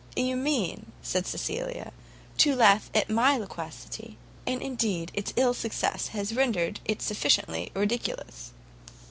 "You mean," said Cecilia, "to laugh at my loquacity, and indeed its ill success has rendered it sufficiently ridiculous."